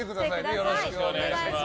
よろしくお願いします。